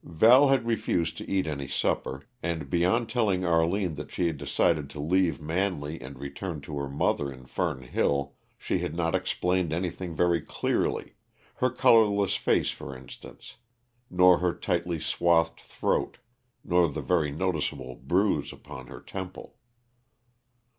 Val had refused to eat any supper, and, beyond telling Arline that she had decided to leave Manley and return to her mother in Fern Hill, she had not explained anything very clearly her colorless face, for instance, nor her tightly swathed throat, nor the very noticeable bruise upon her temple.